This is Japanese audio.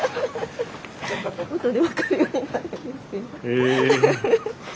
・へえ！